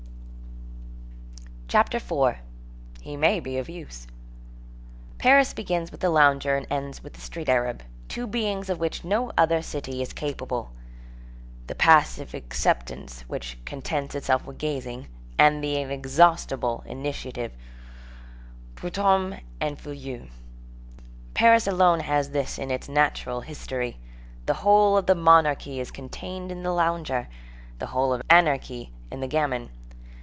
CHAPTER IV—HE MAY BE OF USE Paris begins with the lounger and ends with the street Arab, two beings of which no other city is capable; the passive acceptance, which contents itself with gazing, and the inexhaustible initiative; Prudhomme and Fouillou. Paris alone has this in its natural history. The whole of the monarchy is contained in the lounger; the whole of anarchy in the gamin.